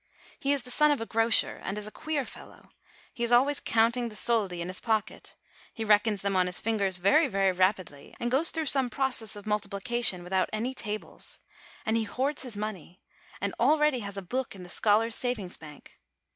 He is the son of a grocer, and is a queer fellow ; he is always counting the soldi in his pocket; he reckons them on his fingers very, very rapidly, and goes through some process of multiplication without any tables; and he hoards his money, and already has a book in the Scholars' Sav ings Bank.